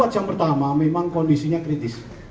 dua puluh empat jam pertama memang kondisinya kritis